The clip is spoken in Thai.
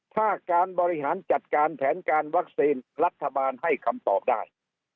ถ้าการบริหารจัดการแผนการวัคซีนรัฐบาลให้คำตอบได้